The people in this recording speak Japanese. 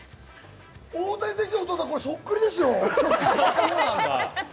大谷選手のお父さん、これそっくりですよ。